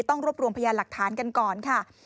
ต้องรวบรวมพยานหลักฐานกันก่อนค่ะ